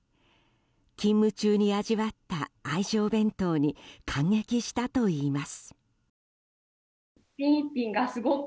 勤務中に味わった愛情弁当に感激したといいます。